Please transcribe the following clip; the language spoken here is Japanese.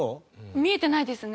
見えてないですね。